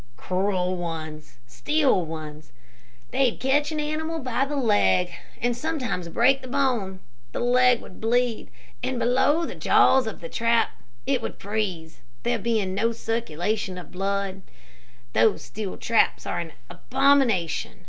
"Cruel ones steel ones. They'd catch an animal by the leg and sometimes break the bone, the leg would bleed, and below the jaws of he trap it would freeze, there being no circulation of the blood. Those steel traps are an abomination.